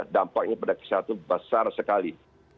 dampaknya pada kesehatan besar sekali